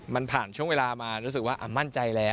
มันผ่านช่วงเวลามารู้สึกว่ามั่นใจแล้ว